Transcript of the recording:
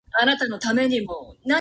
いい天気ですね